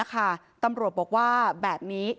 แต่คุณผู้ชมค่ะตำรวจก็ไม่ได้จบแค่ผู้หญิงสองคนนี้